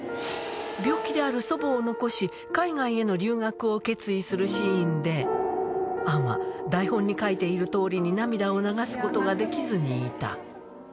病気である祖母を残し、海外への留学を決意するシーンで、杏は台本に書いてあるとおりに、涙を流すことができずにいた。